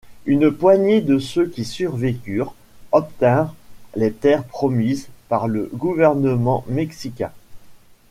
Une poignée de ceux qui survécurent obtinrent les terres promises par le gouvernement mexicain.